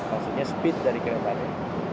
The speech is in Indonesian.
maksudnya speed dari keretanya